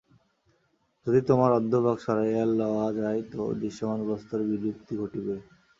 যদি তোমার অর্ধভাগ সরাইয়া লওয়া যায় তো দৃশ্যমান বস্তুর বিলুপ্তি ঘটিবে।